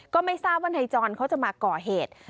ก็ไม่ทราบว่านายจรเขาจะมาก่อเหตุ